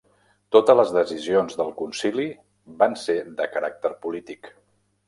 Totes les decisions del Concili van ser de caràcter polític.